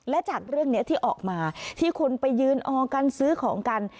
และจากเรื่องนี้ที่ออกมาที่คุณไปยืนออกันซื้อของกัน